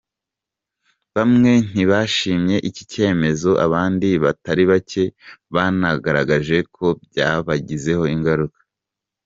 Bamwe ntibashimye icyi cyemezo, abandi batari bake banagaragaje ko byabagizeho ingaruka.